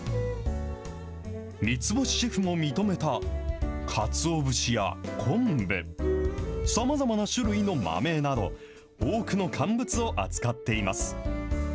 三ツ星シェフも認めたかつお節や昆布、さまざまな種類の豆など、多くの乾物を扱っています。